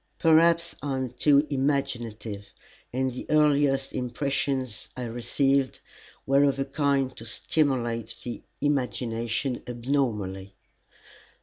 Perhaps I am too imaginative, and the earliest impressions I received were of a kind to stimulate the imagination abnormally.